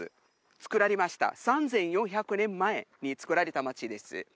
つくられました３４００年前につくられた町です